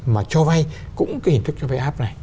mà cho vai cũng cái hình thức cho vai áp này